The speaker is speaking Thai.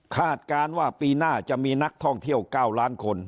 การว่าปีหน้าจะมีนักท่องเที่ยว๙ล้านคน